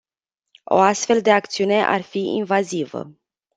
O astfel de acțiune ar fi invazivă.